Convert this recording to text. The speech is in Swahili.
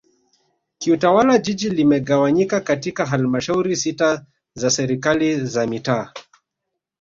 Kiutawala Jiji limegawanyika katika Halmashauri sita za Serikali za mitaa